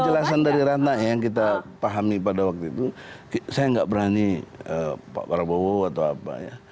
penjelasan dari ratna yang kita pahami pada waktu itu saya nggak berani pak prabowo atau apa ya